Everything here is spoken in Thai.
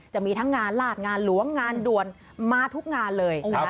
จะมีทั้งงานลาดงานหลวงงานด่วนมาทุกงานเลย